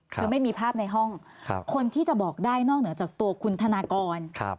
คือไม่มีภาพในห้องคนที่จะบอกได้นอกเหนือจากตัวคุณธนากร